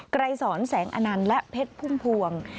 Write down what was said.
ไกลสอนแสงอาญันและเพชรพุ่งพวง